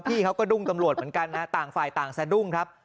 พี่เขาก็ดุ้งตำรวจเหมือนกันนะต่างฝ่ายต่างสะดุ้งครับ